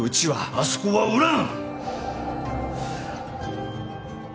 あそこは売らん！